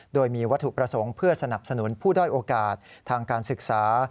โดยมีวัตถุประสงค์เพื่อสนับสนุนผู้ด้อยโอกาสทางการศึกษา